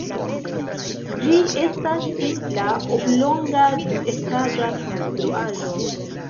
Ĝi estas simpla oblonga duetaĝa konstruaĵo.